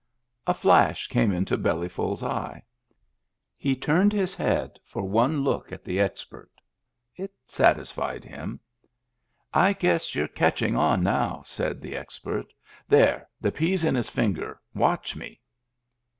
A flash came into Bellyful's eye. He turned his head for one look at the expert. It satisfied him. " I guess you're catching on now," said the ex pert. " There ! The pea's in his finger. Watch me.